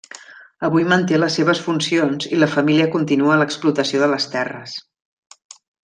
Avui manté les seves funcions i la família continua l'explotació de les terres.